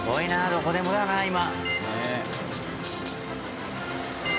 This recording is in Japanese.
どこでもだな今。